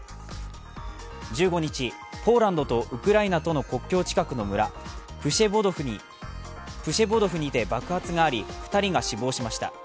１５日、ポーランドとウクライナ国境近くの村プシェボドフにて爆発があり、２人が死亡しました。